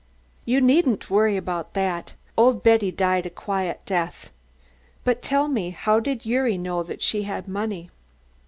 "You needn't worry about that. Old Betty died a quiet death. But tell me, how did Gyuri know that she had money?"